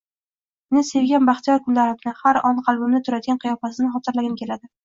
Uni sevgan baxtiyor kunlarimni, har on qalbimda turadigan qiyofasini xotirlagim kelardi